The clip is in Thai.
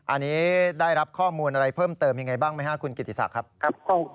อันนี้ได้รับข้อมูลอะไรเพิ่มเติมอย่างไรบ้างไหมคุณกิตถีศักดิ์